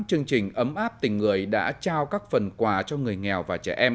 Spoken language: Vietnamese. chương trình ấm áp tình người đã trao các phần quà cho người nghèo và trẻ em